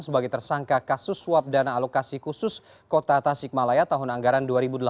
sebagai tersangka kasus suap dana alokasi khusus kota tasikmalaya tahun anggaran dua ribu delapan belas